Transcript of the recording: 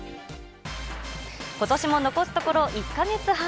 ことしも残すところ１か月半。